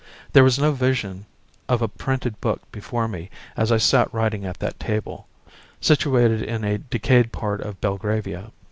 There was no vision of a printed book before me as I sat writing at that table, situated in a decayed part of Belgravia.